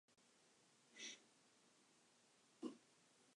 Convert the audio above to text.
Why did Judas hand Jesus over?